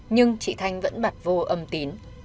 nhưng chị thanh vẫn bạch vô âm tín